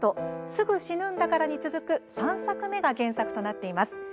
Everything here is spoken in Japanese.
「すぐ死ぬんだから」に続く３作目が原作となっています。